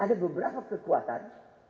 ada beberapa kekuatan